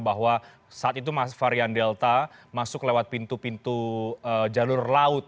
bahwa saat itu varian delta masuk lewat pintu pintu jalur laut